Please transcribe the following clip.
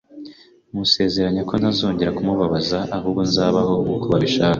musezeranya ko ntazongera kumubabaza ahubwo nzabaho nk’uko babishaka,